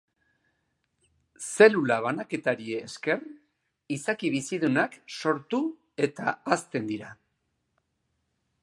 Zelula banaketari esker izaki bizidunak sortu eta hazten dira.